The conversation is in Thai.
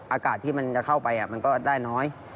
อากาศที่มันจะเข้าไปมันก็ได้น้อย